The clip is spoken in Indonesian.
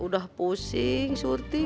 udah pusing surti